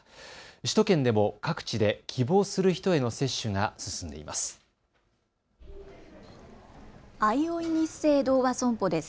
首都圏でも各地で希望する人への接種が進んでいます。